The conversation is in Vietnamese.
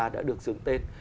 đã được dưỡng tên